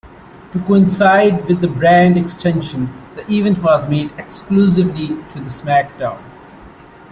To coincide with the brand extension, the event was made exclusive to the SmackDown!